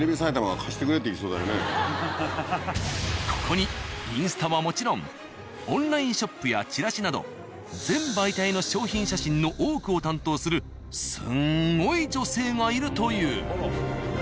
何かここにインスタはもちろんオンラインショップやチラシなど全媒体の商品写真の多くを担当するスンゴイ女性がいるという。